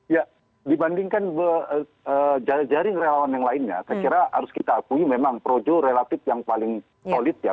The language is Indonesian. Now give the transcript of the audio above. ya dibandingkan jaring relawan yang lainnya saya kira harus kita akui memang projo relatif yang paling solid ya